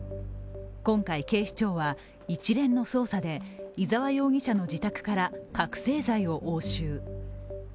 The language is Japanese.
今回、警視庁は一連の捜査で伊沢容疑者の自宅から覚醒剤を押収。